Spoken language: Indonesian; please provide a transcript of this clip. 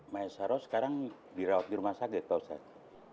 maesha rose sekarang dirawat di rumah saya gitu pak ustadz